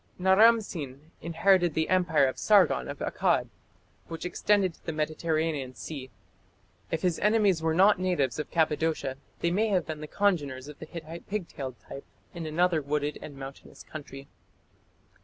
Naram Sin inherited the Empire of Sargon of Akkad, which extended to the Mediterranean Sea. If his enemies were not natives of Cappadocia, they may have been the congeners of the Hittite pigtailed type in another wooded and mountainous country.